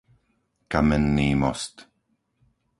Kamenný Most